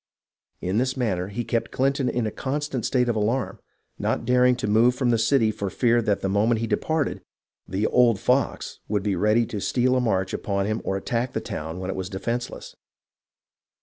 In this manner he kept Clinton in a constant state of alarm, not daring to move from the city for fear that the moment he departed, "the old fox" would be ready to steal a march upon him or attack the town when it was defenceless.